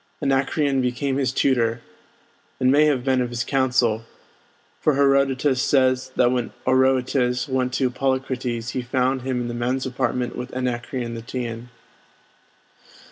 Anacreon became his tutor, and may have been of his council; for Herodotus says that when Oroetes went to see Polycrates he found him in the men's apartment with Anacreon the Teian.